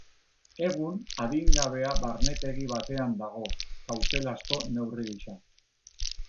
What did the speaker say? Egun, adingabea barnetegi batean dago, kautelazko neurri gisa.